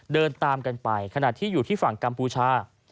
เดินตามกันไปขณะที่อยู่ที่ฝั่งกัมพูชา